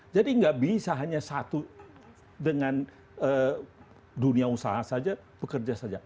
jadi nggak bisa hanya satu dengan dunia usaha saja pekerja saja